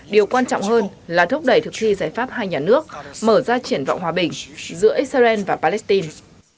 điều quan trọng hơn là thúc đẩy thực thi giải pháp hai nhà nước mở ra triển vọng hòa bình giữa israel và palestine